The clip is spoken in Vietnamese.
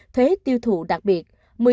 thuế tiêu thụ đặc biệt